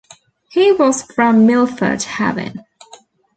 He was from Milford Haven.